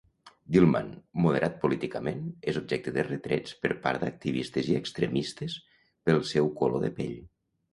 Dilman, moderat políticament, és objecte de retrets per part d'activistes i extremistes pel seu color de pell.